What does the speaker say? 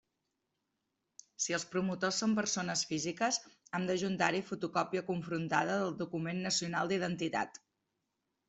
Si els promotors són persones físiques, han d'adjuntar-hi fotocòpia confrontada del document nacional d'identitat.